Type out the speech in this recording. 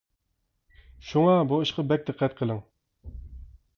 شۇڭا، بۇ ئىشقا بەك دىققەت قىلىڭ.